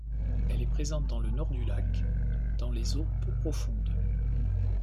Elle est présente dans le nord du lac, dans les eaux peu profondes.